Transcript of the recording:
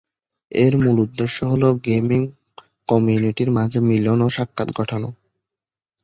এর মূল উদ্দেশ্য হল, গেমিং কমিউনিটির মাঝে মিলন ও সাক্ষাৎ ঘটানো।